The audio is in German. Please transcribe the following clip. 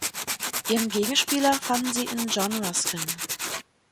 Ihren Gegenspieler fanden sie in John Ruskin.